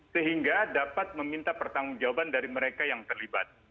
sehingga dapat meminta pertanggung jawaban dari mereka yang terlibat